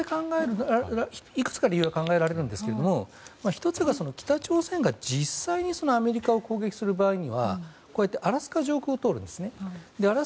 いくつか理由が考えられますが１つは北朝鮮が実際にアメリカを攻撃する場合にはこうやってアラスカ上空を通るんですね。